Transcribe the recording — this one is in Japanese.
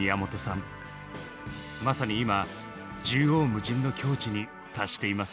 まさに今縦横無尽の境地に達しています。